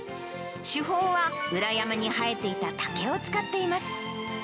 主砲は裏山に生えていた竹を使っています。